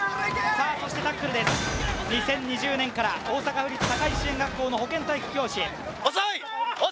そしてタックルです、２０２０年から大阪府立堺支援学校の保健体育教師。